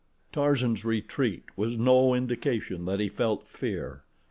Tarzan's retreat was no indication that he felt fear.